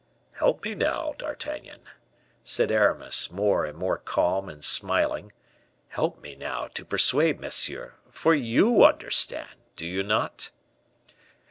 "Help me now, D'Artagnan," said Aramis, more and more calm and smiling. "Help me now to persuade monsieur, for you understand; do you not?"